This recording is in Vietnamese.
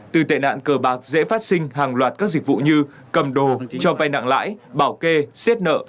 từ tệ nạn cờ bạc dễ phát sinh hàng loạt các dịch vụ như cầm đồ cho vai nặng lãi bảo kê xếp nợ